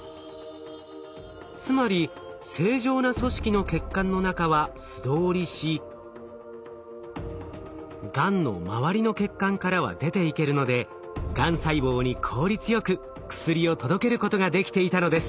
つまり正常な組織の血管の中は素通りしがんの周りの血管からは出ていけるのでがん細胞に効率よく薬を届けることができていたのです。